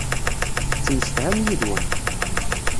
Tettemsefham yid-wen.